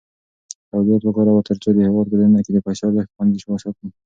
تولیدات وکاروه ترڅو د هېواد په دننه کې د پیسو ارزښت خوندي وساتې.